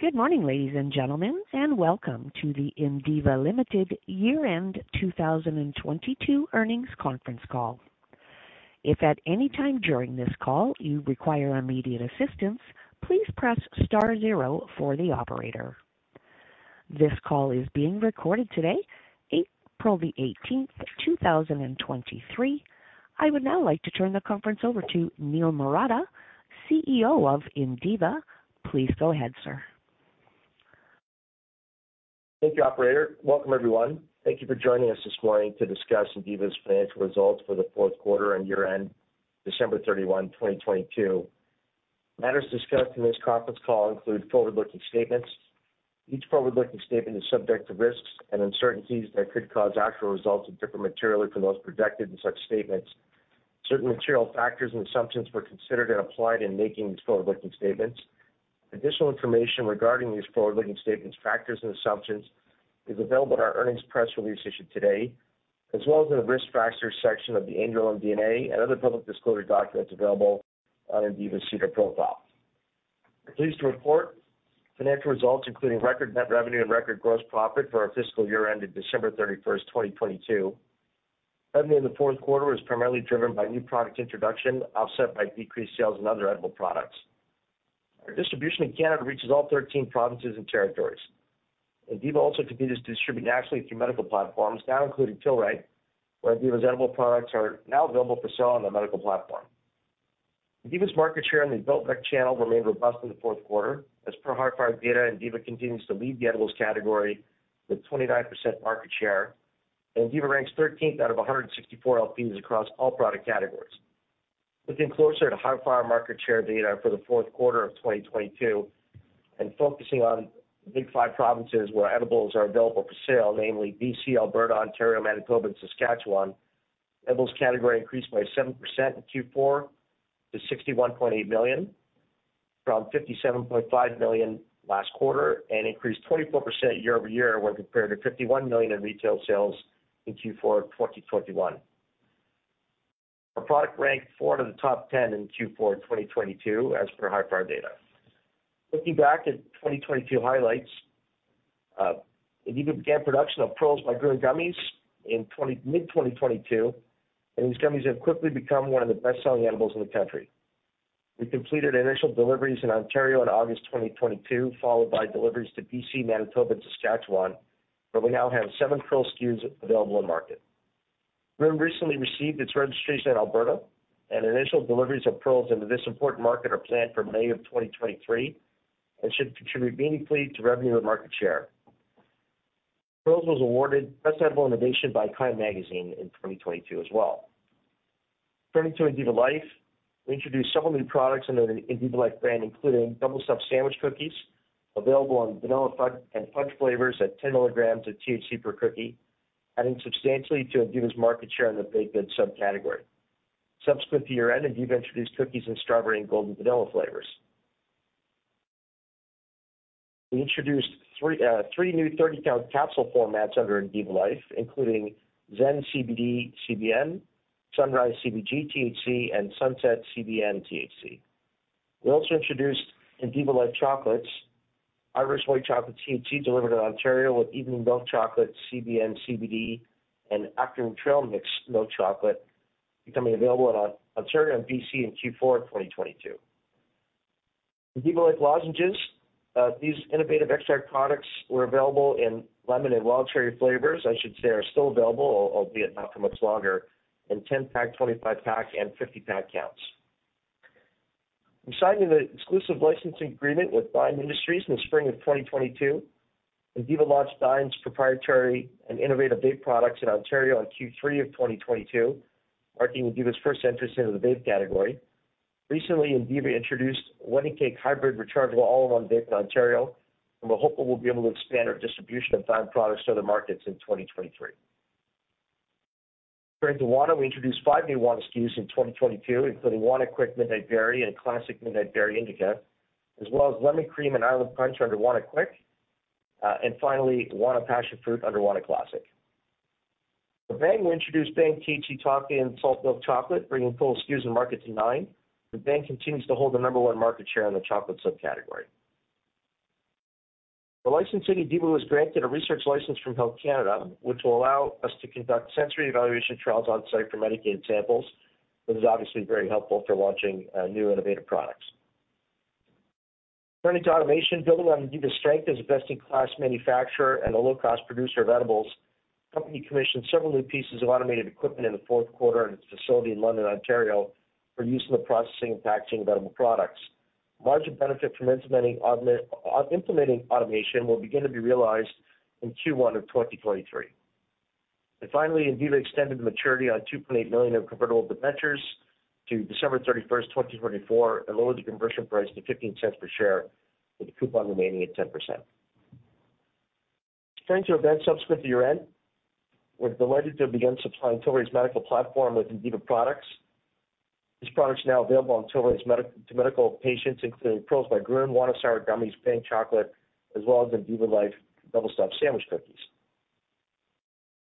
Good morning, ladies and gentlemen, welcome to the Indiva Limited Year-End 2022 earnings conference call. If at any time during this call you require immediate assistance, please press star zero for the operator. This call is being recorded today, April 18th, 2023. I would now like to turn the conference over to Niel Marotta, CEO of Indiva. Please go ahead, sir. Thank you, operator. Welcome, everyone. Thank you for joining us this morning to discuss Indiva's financial results for the fourth quarter and year-end December 31, 2022. Matters discussed in this conference call include forward-looking statements. Each forward-looking statement is subject to risks and uncertainties that could cause actual results to differ materially from those projected in such statements. Certain material factors and assumptions were considered and applied in making these forward-looking statements. Additional information regarding these forward-looking statements, factors, and assumptions is available in our earnings press release issued today, as well as in the Risk Factors section of the annual MD&A and other public disclosure documents available on Indiva's SEDAR profile. I'm pleased to report financial results, including record net revenue and record gross profit for our fiscal year ended December 31st, 2022. Revenue in the fourth quarter was primarily driven by new product introduction, offset by decreased sales in other edible products. Our distribution in Canada reaches all 13 provinces and territories. Indiva also continues to distribute nationally through medical platforms, now including Tilray, where Indiva's edible products are now available for sale on the medical platform. Indiva's market share in the adult rec channel remained robust in the fourth quarter. As per Hifyre data, Indiva continues to lead the edibles category with 29% market share, and Indiva ranks 13th out of 164 LPs across all product categories. Looking closer at Hifyre market share data for the fourth quarter of 2022 and focusing on the big five provinces where edibles are available for sale, namely BC, Alberta, Ontario, Manitoba, and Saskatchewan, edibles category increased by 7% in Q4 to 61.8 million, from 57.5 million last quarter, and increased 24% year-over-year when compared to 51 million in retail sales in Q4 of 2021. Our product ranked four out of the top 10 in Q4 of 2022 as per Hifyre data. Looking back at 2022 highlights, Indiva began production of Pearls by Grön gummies in mid-2022, and these gummies have quickly become one of the best-selling edibles in the country. We completed initial deliveries in Ontario in August 2022, followed by deliveries to BC, Manitoba, and Saskatchewan, where we now have seven Pearls SKUs available in market. Grön recently received its registration in Alberta, initial deliveries of Pearls into this important market are planned for May of 2023 and should contribute meaningfully to revenue and market share. Pearls was awarded Best Edible Innovation by High Times magazine in 2022 as well. Turning to Indiva Life, we introduced several new products under the Indiva Life brand, including Double Stuffed Sandwich Cookies available in vanilla fudge and fudge flavors at 10 milligrams of THC per cookie, adding substantially to Indiva's market share in the baked goods subcategory. Subsequent to year-end, Indiva introduced cookies in strawberry and golden vanilla flavors. We introduced three new 30-count capsule formats under Indiva Life, including Zen CBN/CBD, Sunrise CBG:THC, and Sunset CBN:THC. We also introduced Indiva Life chocolates. Irish white chocolate THC delivered in Ontario with evening milk chocolate, CBN, CBD, and afternoon trail mix milk chocolate becoming available in Ontario and BC in Q4 of 2022. Indiva Life Lozenges, these innovative extract products were available in lemon and wild cherry flavors. I should say are still available, albeit not for much longer, in 10-pack, 25-pack, and 50-pack counts. We signed an exclusive licensing agreement with Dime Industries in the spring of 2022. Indiva launched Dime's proprietary and innovative vape products in Ontario in Q3 of 2022, marking Indiva's first entrance into the vape category. Recently, Indiva introduced Wedding Cake Hybrid rechargeable all-in-one vape in Ontario. We're hopeful we'll be able to expand our distribution of Dime products to other markets in 2023. Turning to Wana, we introduced five new Wana SKUs in 2022, including Wana Quick Midnight Berry and a classic Midnight Berry indica, as well as Lemon Cream and Island Punch under Wana Quick. Finally, Wana Passion Fruit under Wana Classic. For Bhang, we introduced Bhang THC Toffee & Salt Milk Chocolate, bringing total SKUs in market to nine, with Bhang continues to hold the number one market share in the chocolate subcategory. For licensing, Indiva was granted a research license from Health Canada, which will allow us to conduct sensory evaluation trials on-site for medicated samples. This is obviously very helpful for launching new innovative products. Turning to automation, building on Indiva's strength as a best-in-class manufacturer and a low-cost producer of edibles, the company commissioned several new pieces of automated equipment in the fourth quarter in its facility in London, Ontario for use in the processing and packaging of edible products. Margin benefit from implementing automation will begin to be realized in Q1 of 2023. Finally, Indiva extended the maturity on 2.8 million of convertible debentures to December 31, 2024, and lowered the conversion price to 0.15 per share, with the coupon remaining at 10%. Turning to events subsequent to year-end, we're delighted to have begun supplying Tilray's medical platform with Indiva products. These products are now available on Tilray's medical patients, including Pearls by Grön, Wana Sour Gummies, Bhang Chocolate, as well as Indiva Life Double Stuffed Sandwich Cookies.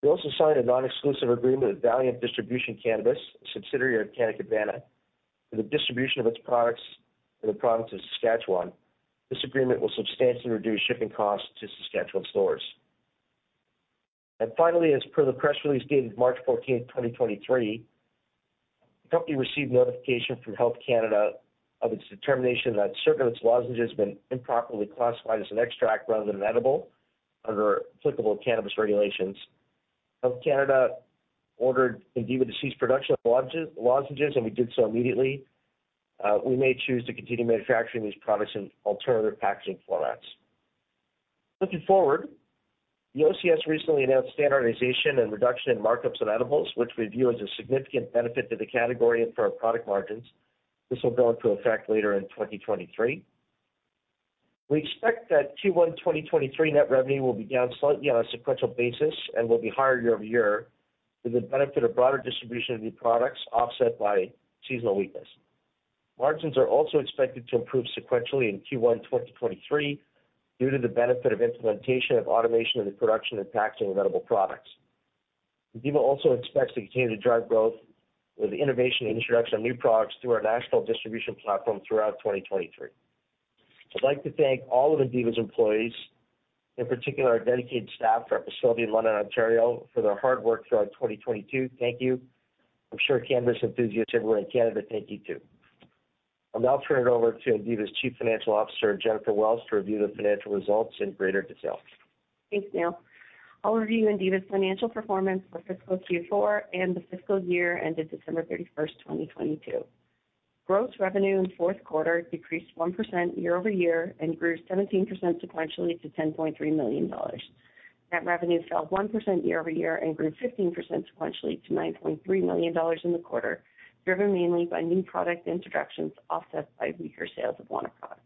We also signed a non-exclusive agreement with Valiant Distribution Canada, a subsidiary of Canna Cabana, for the distribution of its products in the province of Saskatchewan. This agreement will substantially reduce shipping costs to Saskatchewan stores. Finally, as per the press release dated March 14th, 2023, the company received notification from Health Canada of its determination that uncertain has been improperly classified as an extract rather than an edible under applicable cannabis regulations. Health Canada ordered Indiva to cease production of lozenges, we did so immediately. We may choose to continue manufacturing these products in alternative packaging formats. Looking forward, the OCS recently announced standardization and reduction in markups on edibles, which we view as a significant benefit to the category and for our product margins. This will go into effect later in 2023. We expect that Q1 2023 net revenue will be down slightly on a sequential basis and will be higher year-over-year with the benefit of broader distribution of new products offset by seasonal weakness. Margins are also expected to improve sequentially in Q1 2023 due to the benefit of implementation of automation in the production and packaging of edible products. Indiva also expects to continue to drive growth with innovation and introduction of new products through our national distribution platform throughout 2023. I'd like to thank all of Indiva's employees, in particular our dedicated staff for our facility in London, Ontario, for their hard work throughout 2022. Thank you. I'm sure cannabis enthusiasts everywhere in Canada thank you too. I'll now turn it over to Indiva's Chief Financial Officer, Jennifer Welsh, to review the financial results in greater detail. Thanks, Niel. I'll review Indiva's financial performance for fiscal Q4 and the fiscal year ended December 31, 2022. Gross revenue in fourth quarter decreased 1% year-over-year and grew 17% sequentially to $10.3 million. Net revenue fell 1% year-over-year and grew 15% sequentially to $9.3 million in the quarter, driven mainly by new product introductions offset by weaker sales of Wana products.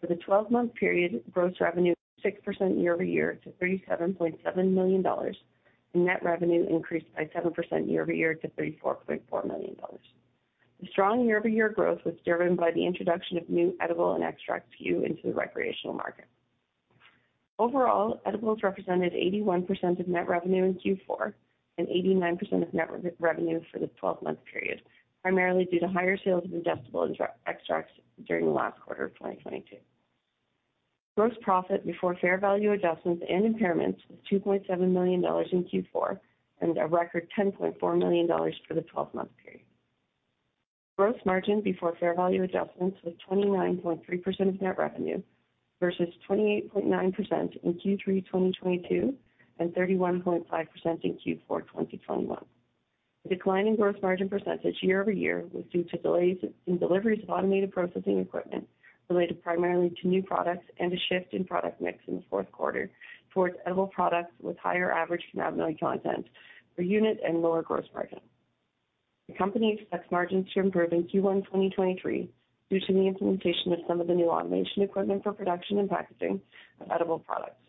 For the 12-month period, gross revenue 6% year-over-year to $37.7 million and net revenue increased by 7% year-over-year to $34.4 million. The strong year-over-year growth was driven by the introduction of new edible and extract SKU into the recreational market. Overall, edibles represented 81% of net revenue in Q4 and 89% of net revenue for the 12-month period, primarily due to higher sales of adjustable extracts during the last quarter of 2022. Gross profit before fair value adjustments and impairments was 2.7 million dollars in Q4 and a record 10.4 million dollars for the 12-month period. Gross margin before fair value adjustments was 29.3% of net revenue versus 28.9% in Q3, 2022 and 31.5% in Q4, 2021. The decline in gross margin percentage year-over-year was due to delays in deliveries of automated processing equipment related primarily to new products and a shift in product mix in the fourth quarter towards edible products with higher average cannabinoid content per unit and lower gross margin. The company expects margins to improve in Q1 2023 due to the implementation of some of the new automation equipment for production and packaging of edible products.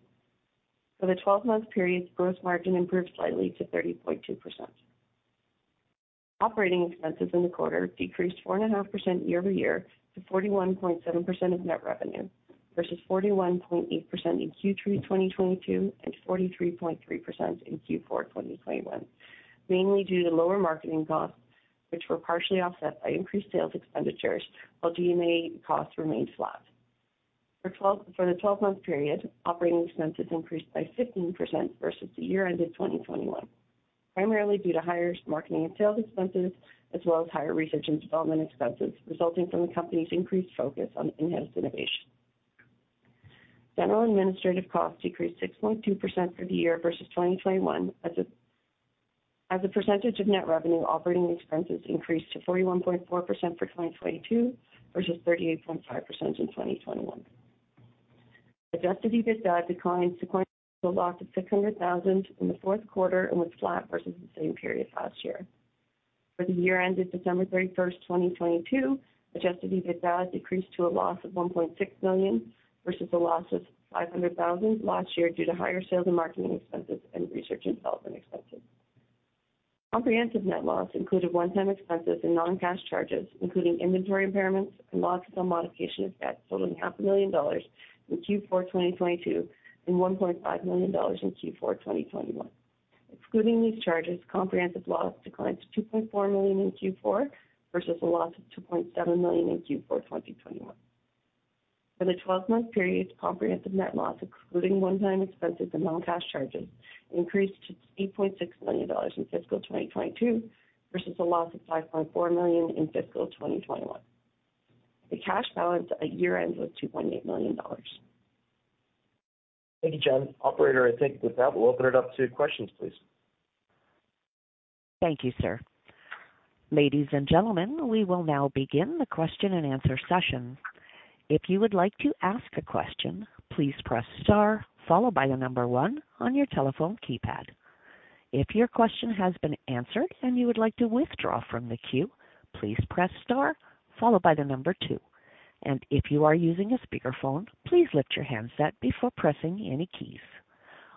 For the 12-month period, gross margin improved slightly to 30.2%. Operating expenses in the quarter decreased 4.5% year-over-year to 41.7% of net revenue versus 41.8% in Q3 2022 and 43.3% in Q4 2021, mainly due to lower marketing costs, which were partially offset by increased sales expenditures, while DMA costs remained flat. For the 12-month period, operating expenses increased by 15% versus the year ended 2021, primarily due to higher marketing and sales expenses as well as higher research and development expenses resulting from the company's increased focus on in-house innovation. General administrative costs decreased 6.2% for the year versus 2021. As a percentage of net revenue, operating expenses increased to 41.4% for 2022 versus 38.5% in 2021. Adjusted EBITDA declined sequentially to a loss of 600,000 in the fourth quarter and was flat versus the same period last year. For the year ended December 31st, 2022, Adjusted EBITDA decreased to a loss of 1.6 million versus a loss of 500,000 last year due to higher sales and marketing expenses and research and development expenses. Comprehensive net loss included one-time expenses and non-cash charges, including inventory impairments and losses on modification of debt totaling half a million dollars in Q4, 2022 and CAD 1.5 million in Q4, 2021. Excluding these charges, comprehensive loss declined to 2.4 million in Q4 versus a loss of 2.7 million in Q4, 2021. For the 12-month period, comprehensive net loss including one-time expenses and non-cash charges increased to CAD 8.6 million in fiscal 2022 versus a loss of CAD 5.4 million in fiscal 2021. The cash balance at year-end was CAD 2.8 million. Thank you, Jen. Operator, I think with that, we'll open it up to questions, please. Thank you, sir. Ladies and gentlemen, we will now begin the question and answer session. If you would like to ask a question, please press star followed by the number 1 on your telephone keypad. If your question has been answered and you would like to withdraw from the queue, please press star followed by the number two. If you are using a speakerphone, please lift your handset before pressing any keys.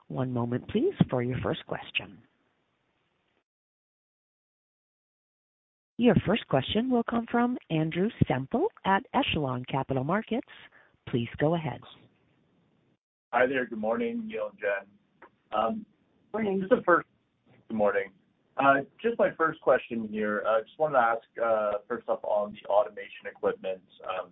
One moment please for your first question. Your first question will come from Andrew Semple at Echelon Capital Markets. Please go ahead. Hi there. Good morning, Niel and Jen. Morning. Good morning. Just my first question here. I just wanted to ask, first off, on the automation equipment,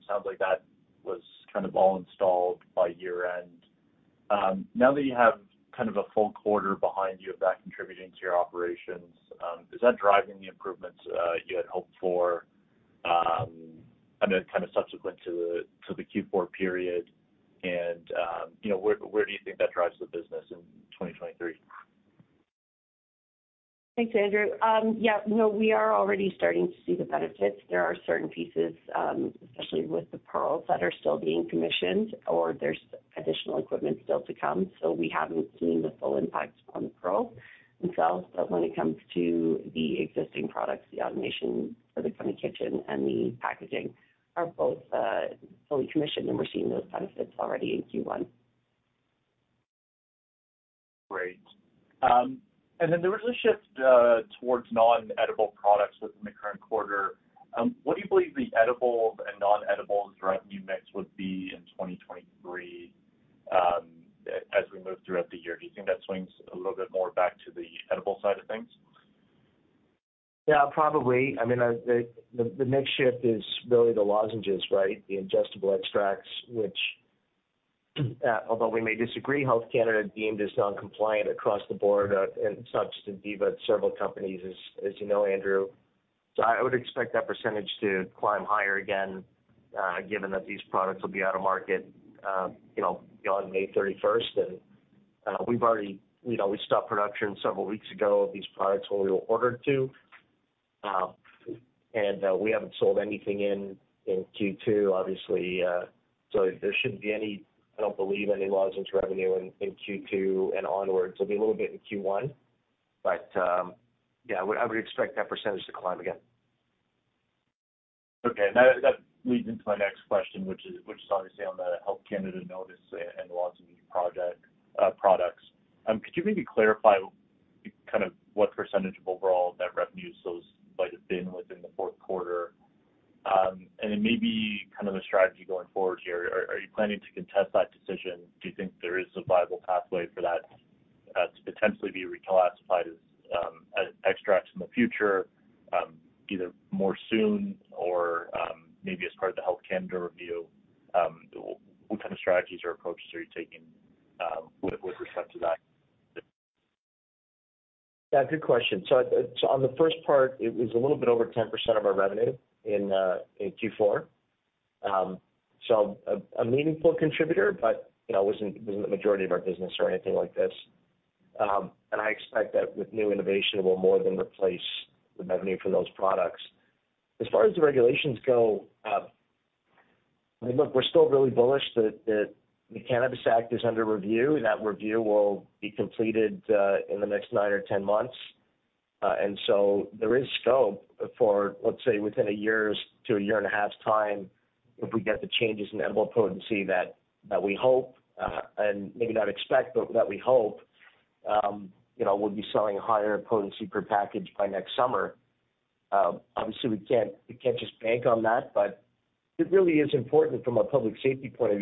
sounds like that was kind of all installed by year-end. Now that you have kind of a full quarter behind you of that contributing to your operations, is that driving the improvements you had hoped for, I mean, kind of subsequent to the, to the Q4 period? You know, where do you think that drives the business in 2023? Thanks, Andrew. Yeah, no, we are already starting to see the benefits. There are certain pieces, especially with the Pearls that are still being commissioned or there's additional equipment still to come. We haven't seen the full impact on the Pearl itself. When it comes to the existing products, the automation for the kitchen and the packaging are both fully commissioned, and we're seeing those benefits already in Q1. Great. There was a shift towards non-edible products within the current quarter. What do you believe the edible and non-edibles revenue mix would be in 2023, as we move throughout the year? Do you think that swings a little bit more back to the edible side of things? Yeah, probably. I mean, the next shift is really the lozenges, right? The ingestible extracts, which, although we may disagree, Health Canada deemed as non-compliant across the board, and not just Indiva, several companies, as you know, Andrew. I would expect that percentage to climb higher again, given that these products will be out of market, you know, beyond May 31st. You know, we stopped production several weeks ago of these products when we were ordered to. We haven't sold anything in Q2, obviously. There shouldn't be any, I don't believe, any lozenge revenue in Q2 and onwards. There'll be a little bit in Q1, yeah, I would expect that percentage to climb again. Okay. That leads into my next question, which is obviously on the Health Canada notice and the lozenge project products. Could you maybe clarify kind of what % of overall net revenue sales might have been within the fourth quarter? It may be kind of a strategy going forward here. Are you planning to contest that decision? Do you think there is a viable pathway for that to potentially be reclassified as extracts in the future, either more soon or maybe as part of the Health Canada review? What kind of strategies or approaches are you taking with respect to that decision? Yeah, good question. On the first part, it was a little bit over 10% of our revenue in Q4. A meaningful contributor, but, you know, wasn't the majority of our business or anything like this. I expect that with new innovation, we'll more than replace the revenue for those products. As far as the regulations go, I mean, look, we're still really bullish that the Cannabis Act is under review, and that review will be completed in the next nine or 10 months. There is scope for, let's say, within a year's to a year and a half's time, if we get the changes in edible potency that we hope, and maybe not expect, but that we hope, you know, we'll be selling higher potency per package by next summer. Obviously, we can't just bank on that, but it really is important from a public safety point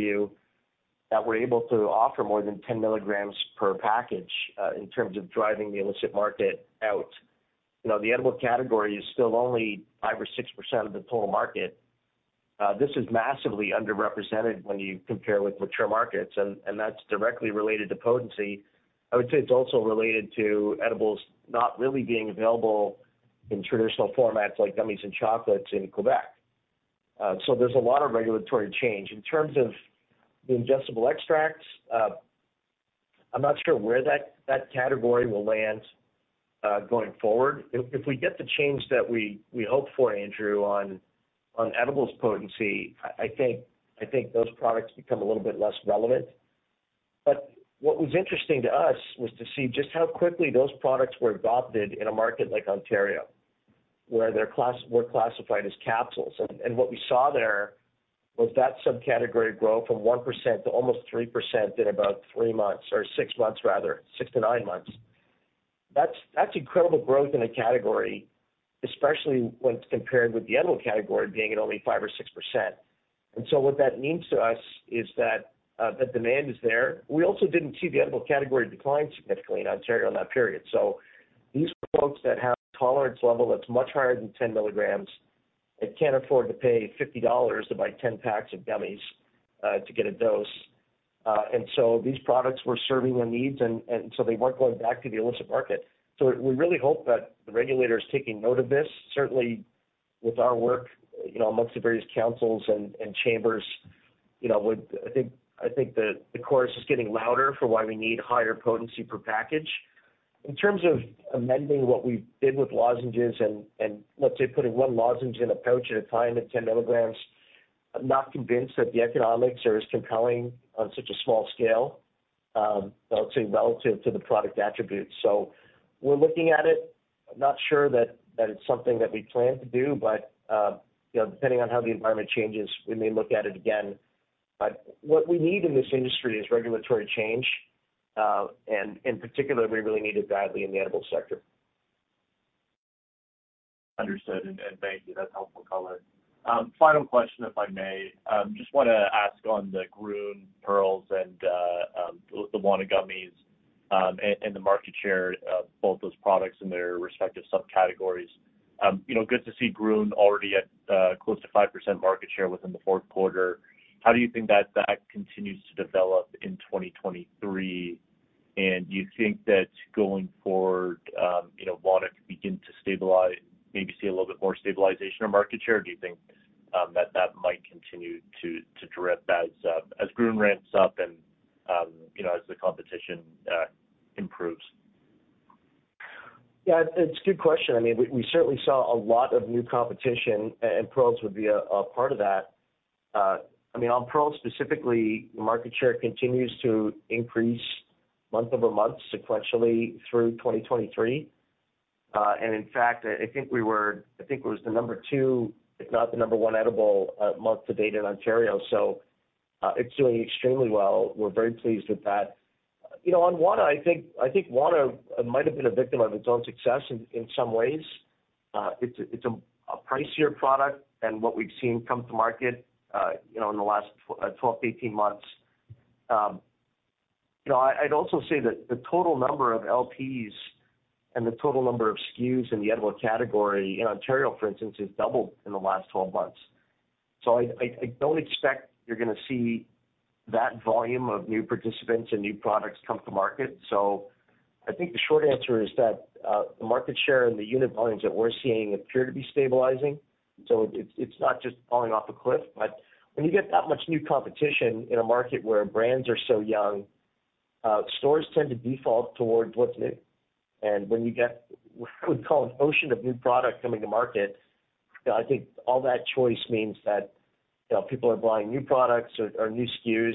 of view, that we're able to offer more than 10 milligrams per package, in terms of driving the illicit market out. You know, the edible category is still only 5% or 6% of the total market. This is massively underrepresented when you compare with mature markets, and that's directly related to potency. I would say it's also related to edibles not really being available in traditional formats like gummies and chocolates in Quebec. There's a lot of regulatory change. In terms of the ingestible extracts, I'm not sure where that category will land going forward. If we get the change that we hope for, Andrew Semple, on edibles potency, I think those products become a little bit less relevant. What was interesting to us was to see just how quickly those products were adopted in a market like Ontario, where they were classified as capsules. What we saw there was that subcategory grow from 1% to almost 3% in about three months or six months rather, 6-9 months. That's incredible growth in a category, especially when it's compared with the edible category being at only 5% or 6%. What that means to us is that the demand is there. We also didn't see the edible category decline significantly in Ontario in that period. These folks that have tolerance level that's much higher than 10 milligrams and can't afford to pay 50 dollars to buy 10 packs of gummies to get a dose. These products were serving their needs and they weren't going back to the illicit market. We really hope that the regulator is taking note of this. Certainly, with our work, you know, amongst the various councils and chambers, you know, I think that the chorus is getting louder for why we need higher potency per package. In terms of amending what we did with lozenges and let's say putting one lozenge in a pouch at a time at 10 milligrams, I'm not convinced that the economics are as compelling on such a small scale, I would say relative to the product attributes. We're looking at it. I'm not sure that it's something that we plan to do, but, you know, depending on how the environment changes, we may look at it again. What we need in this industry is regulatory change, and in particular, we really need it badly in the edibles sector. Understood. Thank you. That's helpful color. Final question, if I may. Just wanna ask on the Grön, Pearls and the Wana gummies, and the market share of both those products in their respective subcategories. You know, good to see Grön already at close to 5% market share within the fourth quarter. How do you think that continues to develop in 2023? Do you think that going forward, you know, Wana could begin to see a little bit more stabilization of market share? Do you think that might continue to drift as Grön ramps up and, you know, as the competition improves? It's a good question. I mean, we certainly saw a lot of new competition and Pearls would be a part of that. I mean, on Pearls specifically, market share continues to increase month-over-month sequentially through 2023. In fact, I think I was the number two, if not the number one edible, month to date in Ontario. It's doing extremely well. We're very pleased with that. You know, on Wana, I think Wana might have been a victim of its own success in some ways. It's a pricier product than what we've seen come to market, you know, in the last 12-18 months. You know, I'd also say that the total number of LPs and the total number of SKUs in the edible category in Ontario, for instance, has doubled in the last 12 months. I don't expect you're gonna see that volume of new participants and new products come to market. I think the short answer is that the market share and the unit volumes that we're seeing appear to be stabilizing. It's not just falling off a cliff, but when you get that much new competition in a market where brands are so young, stores tend to default towards what's new. When you get what I would call an ocean of new product coming to market, you know, I think all that choice means that, you know, people are buying new products or new SKUs.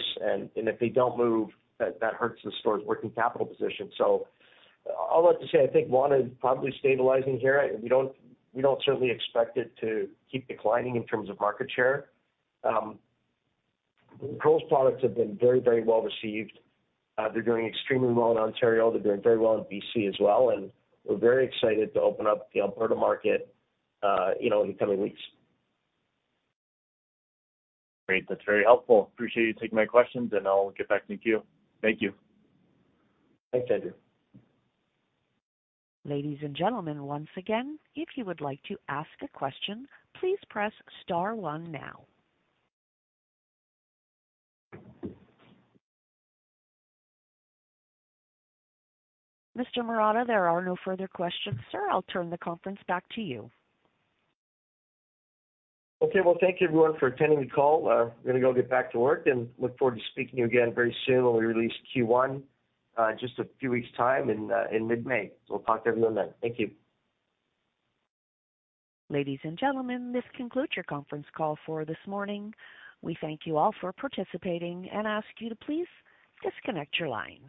If they don't move, that hurts the store's working capital position. All that to say, I think Wana is probably stabilizing here. We don't certainly expect it to keep declining in terms of market share. Pearls products have been very, very well received. They're doing extremely well in Ontario. They're doing very well in BC as well, and we're very excited to open up the Alberta market, you know, in the coming weeks. Great. That's very helpful. Appreciate you taking my questions. I'll get back to the queue. Thank you. Thanks, Andrew. Ladies and gentlemen, once again, if you would like to ask a question, please press star one now. Mr. Marotta, there are no further questions, sir. I'll turn the conference back to you. Okay. Well, thank you everyone for attending the call. I'm gonna go get back to work and look forward to speaking to you again very soon when we release Q1 in just a few weeks' time in mid-May. We'll talk to everyone then. Thank you. Ladies and gentlemen, this concludes your conference call for this morning. We thank you all for participating and ask you to please disconnect your lines.